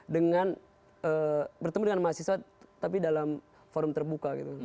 dengan bertemu dengan mahasiswa tapi dalam forum terbuka gitu